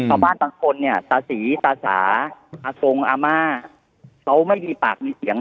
บางคนเนี่ยตาศรีตาสาอากงอาม่าเขาไม่มีปากมีเสียง